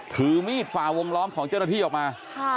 ถือมีดฝ่าวงล้อมของเจ้าหน้าที่ออกมา